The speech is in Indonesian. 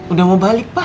udah mau balik pak